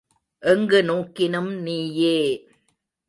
எங்கு நோக்கினும் நீயே!